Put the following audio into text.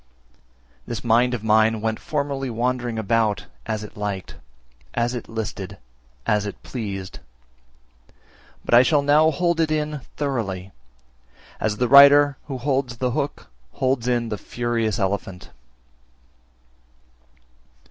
326. This mind of mine went formerly wandering about as it liked, as it listed, as it pleased; but I shall now hold it in thoroughly, as the rider who holds the hook holds in the furious elephant.